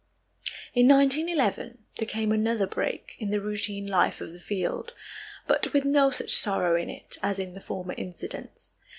In 1911 there came another break in the routine life of the field, but with no such sorrow in it as in the former incidents.